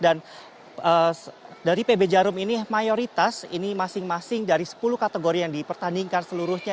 dan dari pb jarum ini mayoritas ini masing masing dari sepuluh kategori yang dipertandingkan seluruhnya